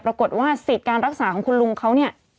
ปรากฏว่าสิทธิ์การรักษาของคุณลุงเขาเนี่ย